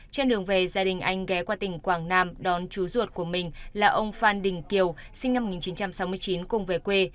trên đường về gia đình anh ghé qua tỉnh quảng nam đón chú ruột của mình là ông phan đình kiều sinh năm một nghìn chín trăm sáu mươi chín cùng về quê